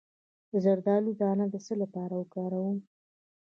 د زردالو دانه د څه لپاره وکاروم؟